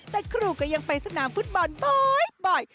แต่ครูก็ยังไปสนามฟุตบอลบ่อย